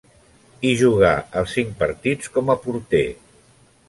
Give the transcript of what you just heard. Hi jugà els cinc partits com a porter.